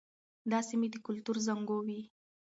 دا سیمې د کلتور زانګو وې.